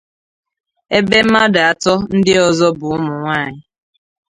ebe mmadụ atọ ndị ọzọ bụ ụmụnwaanyị.